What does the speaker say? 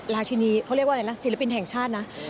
ชินีเขาเรียกว่าอะไรล่ะศิลปินแห่งชาตินะ